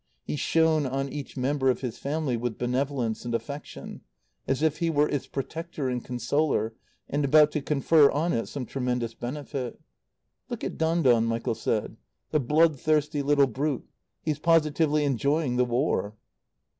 He shone on each member of his family with benevolence and affection, as if he were its protector and consoler, and about to confer on it some tremendous benefit. "Look at Don Don," Michael said. "The bloodthirsty little brute. He's positively enjoying the War."